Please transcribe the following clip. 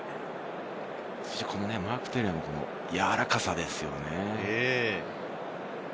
マーク・テレアのやわらかさですよね。